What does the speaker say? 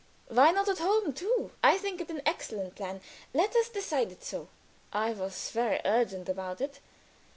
"Why not at home too? I think it an excellent plan. Let us decide it so." I was very urgent about it.